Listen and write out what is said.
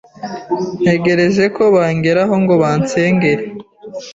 ntegereje ko bangeraho ngo bansengere